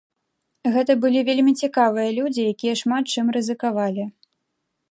Гэта былі вельмі цікавыя людзі, якія шмат чым рызыкавалі.